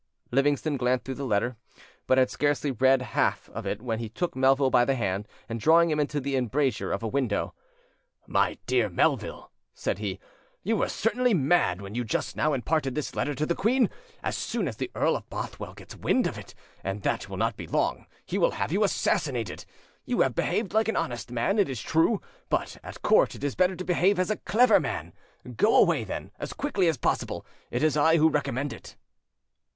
Livingston glanced through the letter, but had scarcely read the half of it when he took Melville by the hand, and drawing him into the embrasure of a window, "My dear Melville," said he, "you were certainly mad when you just now imparted this letter to the queen: as soon as the Earl of Bothwell gets wind of it, and that will not be long, he will have you assassinated. You have behaved like an honest man, it is true; but at court it is better to behave as a clever man. Go away, then, as quickly as possible; it is I who recommend it."